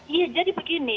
iya jadi begini